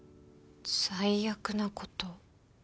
最悪なこと？